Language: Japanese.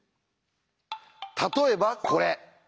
例えばこれ。